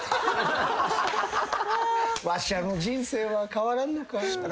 わしゃの人生は変わらんのか。